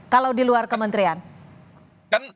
kalau di luar kementerian